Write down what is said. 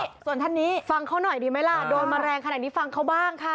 ส่วนท่านนี้ฟังเขาหน่อยดีไหมล่ะโดนมาแรงขนาดนี้ฟังเขาบ้างค่ะ